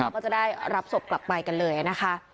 ก็จะได้รับศพกลับไปกันเลยนะคะ